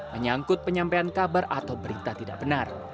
menyangkut penyampaian kabar atau berita tidak benar